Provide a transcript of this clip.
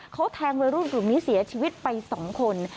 เขาแทงวัยรุ่นกลุ่มนี้เสียชีวิตไป๒คน